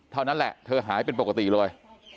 เท่านั้นแหละเธอหายเป็นปกติเลย